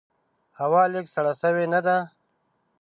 هوا لږ سړه سوي نده؟